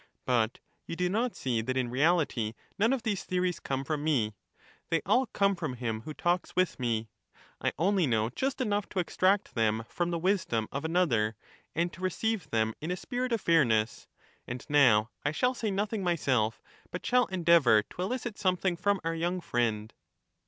But you do not see that in reality none of these theories come from me ; they all come from him who talks with me. I only know just enough to extract them from the wisdom of another, and to receive them in a spirit of fairness. And now I shall say nothing myself, but shall endeavour to elicit something from our young friend.